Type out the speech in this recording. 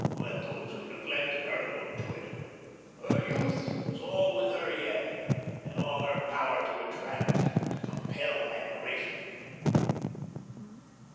Let those who neglected her look to it. Her youth was all with her yet, and all her power to attract, to compel admiration.